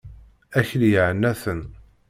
Akli yeɛna-ten.